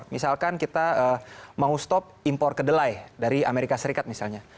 misalkan kita mau stop impor kedelai dari amerika serikat misalnya